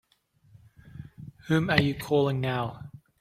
Whom are you calling now?